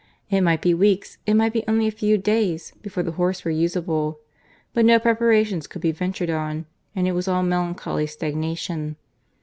It might be weeks, it might be only a few days, before the horse were useable; but no preparations could be ventured on, and it was all melancholy stagnation.